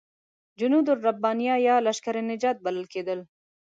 جنودالربانیه یا لشکر نجات یې بلل کېدل.